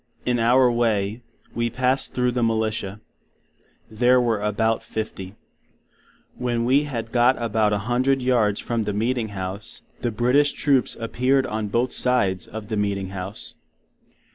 In our way, we passed through the Militia. There were about 50. When we had got about 100 Yards from the meeting House the British Troops appeard on both Sides of the Meeting House.